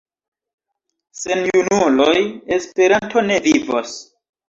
Sen junuloj Esperanto ne vivos.